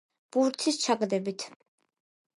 ბურთის ჩაგდებით.